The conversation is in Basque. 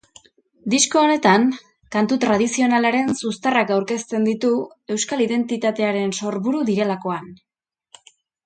Disko honetan kantu tradizionalaren zuztarrak aurkezten ditu, euskal identitatearen sorburu direlakoan.